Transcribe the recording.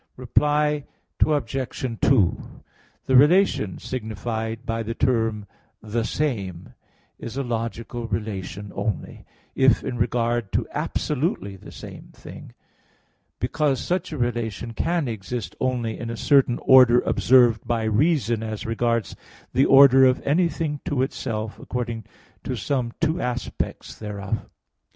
Reply Obj. 2: The relation signified by the term "the same" is a logical relation only, if in regard to absolutely the same thing; because such a relation can exist only in a certain order observed by reason as regards the order of anything to itself, according to some two aspects thereof.